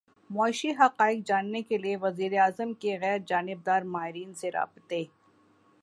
معاشی حقائق جاننے کیلیے وزیر اعظم کے غیر جانبدار ماہرین سے رابطے